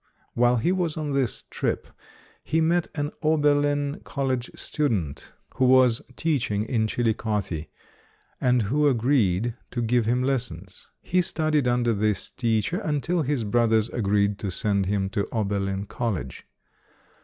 While he was on this trip, he met an Oberlin College stu dent who was teaching in Chillicothe, and who agreed to give him lessons. He studied under this teacher until his brothers agreed to send him to Oberlin College.